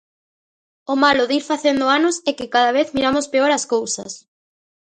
O malo de ir facendo anos é que cada vez miramos peor as cousas.